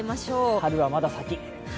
春はまだ先。